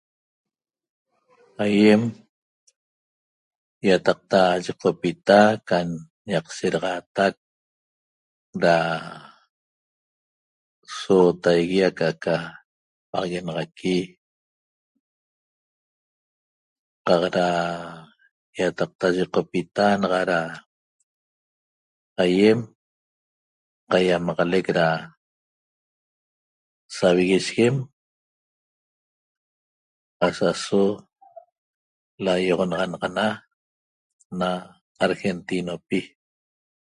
Aýem ýataqta yiqopita can ñaq sedaxaatac da sootaigui aca'aca paxaguenaxaqui qaq da ýataqta yiqopita naxa da aýem qaimaxalec da saviguiseguem asa'aso laýoxonaxanaxana na Argentinopi